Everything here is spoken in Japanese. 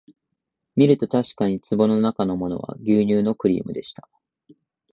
みるとたしかに壺のなかのものは牛乳のクリームでした